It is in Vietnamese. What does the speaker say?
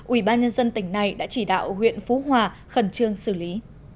ubnd tỉnh này đã chỉ đạo huyện phú hòa khẩn trương xử lý